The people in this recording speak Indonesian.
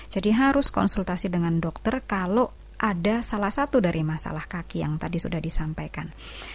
jadi harus konsultasi dengan dokter kalau ada salah satu dari masalah kaki yang tadi sudah disampaikan